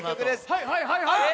はいはいはいはい！